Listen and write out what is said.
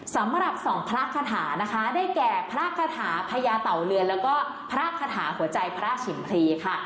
สำหรับสองพระคาถานะคะได้แก่พระคาถาพญาเต่าเรือนแล้วก็พระคาถาหัวใจพระฉิมพรีค่ะ